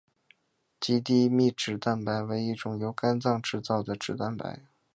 极低密度脂蛋白为一种由肝脏制造的脂蛋白。